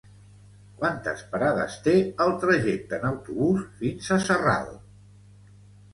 Quantes parades té el trajecte en autobús fins a Sarral?